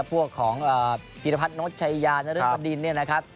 พวกของพิรพัทนท์ชายยานรกดิน